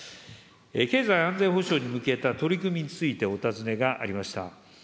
経済安全保障に向けた取り組みについてお尋ねがありました。